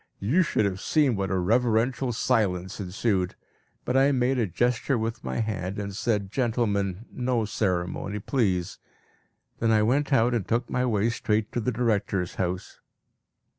You should have seen what a reverential silence ensued. But I made a gesture with my hand, and said, "Gentlemen, no ceremony please!" Then I went out, and took my way straight to the director's house.